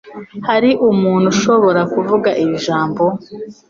Hari umuntu ushobora kuvuga iri jambo?